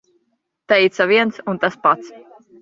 Teica - viens un tas pats.